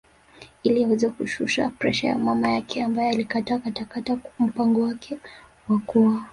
Ili aweze kushusha presha ya mama yake ambaye alikataa katakata mpango wake wa kuoa